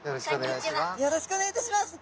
よろしくお願いします。